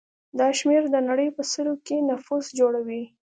دا شمېر د نړۍ په سلو کې نفوس جوړوي.